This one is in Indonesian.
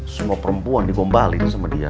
semua perempuan dikombali tuh sama dia